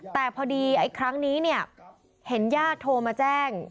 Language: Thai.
แต่พอดีครั้งนี้เนี่ยเห็นญาติโทรมาแจ้ง